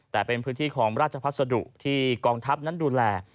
แต่เป็นพื้นที่ของราชพัสดุที่กองทัพนั้นดูแล